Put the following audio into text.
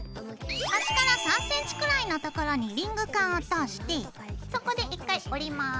端から３ｃｍくらいのところにリングカンを通してそこで１回折ります。